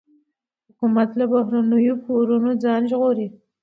حکومت له بهرنیو پورونو ځان ژغوري.